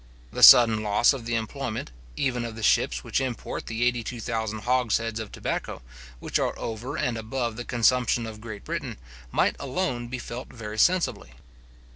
The sudden loss of the employment, even of the ships which import the eighty two thousand hogsheads of tobacco, which are over and above the consumption of Great Britain, might alone be felt very sensibly.